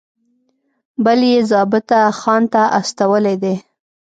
بل یې ضابطه خان ته استولی دی.